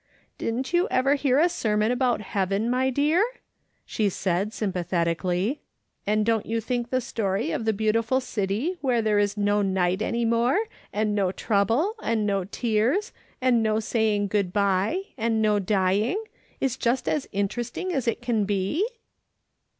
" Didn't you ever hear a sermon about heaven, my dear ?" she said sympathetically. " And don^t you think the story of the beautiful city where there is L 146 MKS. SOLOMON SMITH LOOKING ON. no night any more, and no trouble, and no tears, and no saying good bye, and no dying, is just as interest ing as it can be